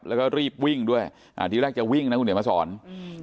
แล้วก็รีบวิ่งด้วยอ่าทีแรกจะวิ่งนะคุณเดี๋ยวมาสอนอืม